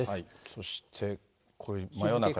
そしてこれ、真夜中ですね。